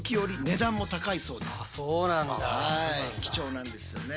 はい貴重なんですよね。